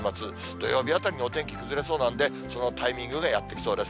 土曜日あたりにお天気崩れそうなんで、そのタイミングがやって来そうです。